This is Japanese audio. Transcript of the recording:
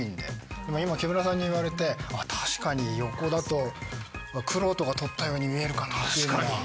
でも今木村さんに言われて確かに横だと玄人が撮ったように見えるかなっていうのは。